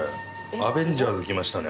アベンジャーズきましたね